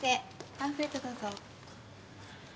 パンフレットどうぞ。